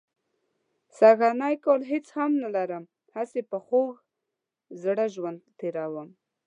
سږنی کال هېڅ هم نه لرم، هسې په خوږ زړه ژوند تېروم.